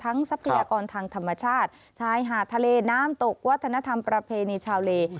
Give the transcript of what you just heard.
ทรัพยากรทางธรรมชาติชายหาดทะเลน้ำตกวัฒนธรรมประเพณีชาวเล